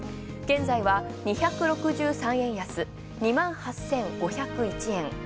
現在は２６３円安、２万８５０１円。